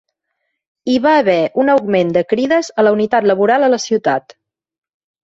Hi va haver un augment de crides a la unitat laboral a la ciutat.